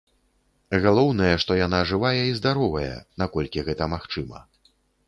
Галоўнае, што яна жывая і здаровая, наколькі гэта магчыма.